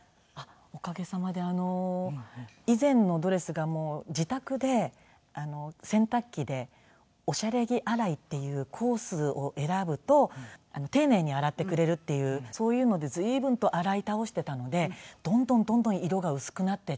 おかげさまで以前のドレスが自宅で洗濯機でオシャレ着洗いっていうコースを選ぶと丁寧に洗ってくれるっていうそういうので随分と洗い倒していたのでどんどんどんどん色が薄くなっていっちゃって。